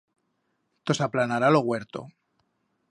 Tos aplanará lo huerto.